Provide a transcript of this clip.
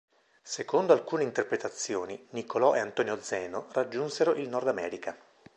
Secondo alcune interpretazioni, Nicolò e Antonio Zeno raggiunsero il Nord America.